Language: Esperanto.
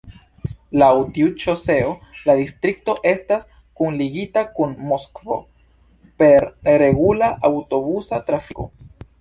Laŭ tiu ŝoseo la distrikto estas kunligita kun Moskvo per regula aŭtobusa trafiko.